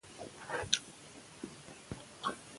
سرحدونه د افغان کلتور په داستانونو کې راځي.